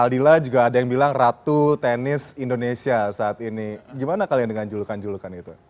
aldila juga ada yang bilang ratu tenis indonesia saat ini gimana kalian dengan julukan julukan itu